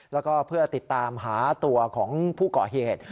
แล้วก็เพื่อติดตามหาตัวของผู้ก่อเหตุ